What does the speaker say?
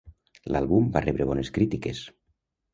L'àlbum va rebre bones crítiques.